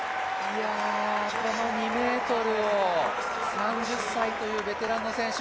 この２ｍを３０歳というベテランの選手